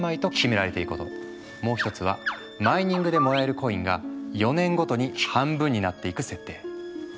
もう１つはマイニングでもらえるコインが４年ごとに半分になっていく設定。